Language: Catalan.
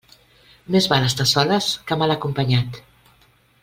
Més val estar a soles que mal acompanyat.